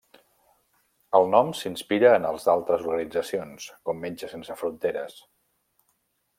El nom s'inspira en el d'altres organitzacions com Metges Sense Fronteres.